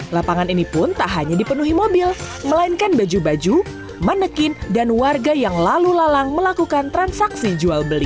lapangan ini pun tak hanya dipenuhi mobil melainkan baju baju manekin dan warga yang lalu lalang melakukan transaksi jual beli